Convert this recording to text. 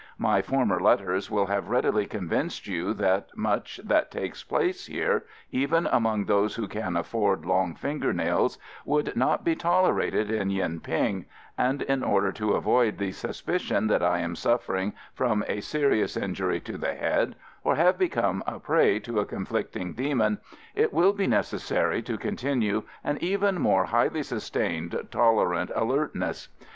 My former letters will have readily convinced you that much that takes place here, even among those who can afford long finger nails, would not be tolerated in Yuen ping, and in order to avoid the suspicion that I am suffering from a serious injury to the head, or have become a prey to a conflicting demon, it will be necessary to continue an even more highly sustained tolerant alertness.